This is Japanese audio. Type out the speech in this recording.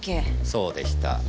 そうでした。